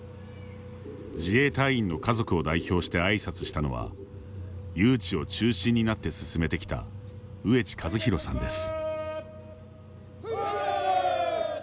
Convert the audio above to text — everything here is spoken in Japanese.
自衛隊員の家族を代表して挨拶したのは誘致を中心になって進めてきた上地和浩さんです。